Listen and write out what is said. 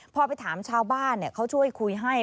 พอไปถามชาวบ้านเขาช่วยคุยให้